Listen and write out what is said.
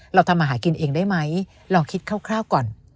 เราทำอาหารกินเองได้ไหมลองคิดคร่าวก่อน